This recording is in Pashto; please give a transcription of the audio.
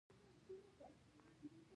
زما د خور میوه خوړل ډېر خوښ ده